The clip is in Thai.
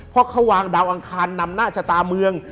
เพราะเขาวางดาวอังคารนำหน้าชะตาเมือง